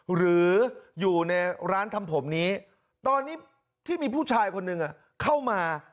หรืออยู่ในร้านทำผมนี้ตอนนี้ที่มีผู้ชายคนหนึ่งเข้ามา